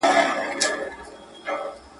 جهاني ماته مي نیکونو په سبق ښودلي.